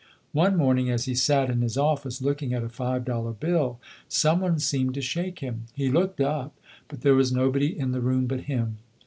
One morning, as he sat in his office looking at a five dollar bill, some one seemed to shake him. He looked up but there was nobody in the room but him.